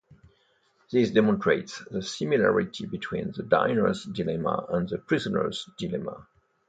This demonstrates the similarity between the diner's dilemma and the prisoner's dilemma.